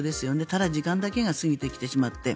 ただ、時間だけが過ぎてきてしまって。